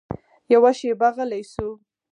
يوه شېبه غلى سو.